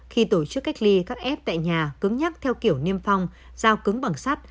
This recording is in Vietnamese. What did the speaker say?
khi tổ chức cách ly các f tại nhà cứng nhắc theo kiểu niêm phong giao cứng bằng sắt